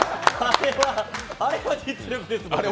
あれは実力です。